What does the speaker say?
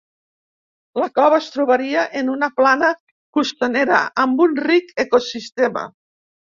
La cova es trobaria en una plana costanera amb un ric ecosistema.